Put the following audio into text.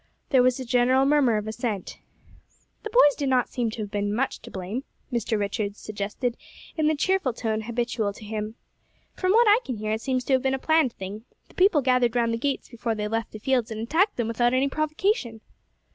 There was a general murmur of assent. "The boys do not seem to have been much to blame," Mr. Richards suggested in the cheerful tone habitual to him. "From what I can hear it seems to have been a planned thing; the people gathered round the gates before they left the fields and attacked them without any provocation."